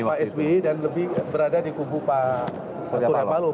pak sb dan lebih berada di kubu pak surya pak luna